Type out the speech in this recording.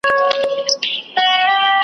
چاره څه ده بس زموږ دغه زندګي ده .